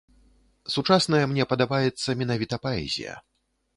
Сучасная мне падабаецца менавіта паэзія.